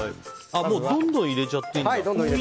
どんどん入れちゃっていいんだ。